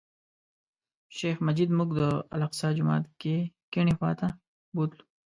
شیخ مجید موږ د الاقصی جومات کیڼې خوا ته بوتللو.